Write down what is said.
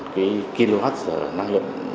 cái kwh năng lượng